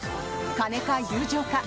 金か友情か。